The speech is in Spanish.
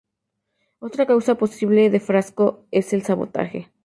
Otra causa posible de fracaso es el sabotaje.